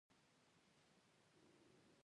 تاسې وينئ چې بېړۍ مو د لمبو خوراک شوې.